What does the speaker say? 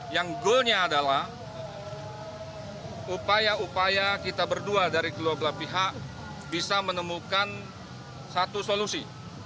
yang goalnya adalah upaya upaya kita berdua dari kedua belah pihak bisa menemukan satu solusi